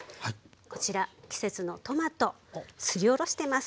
こちら季節のトマトすりおろしてます。